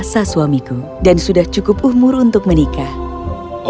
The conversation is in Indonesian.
dizrei sudah dewasa dan sudah cukup umur untuk menikah